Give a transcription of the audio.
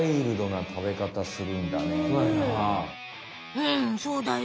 うんそうだよ。